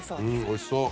おいしそう。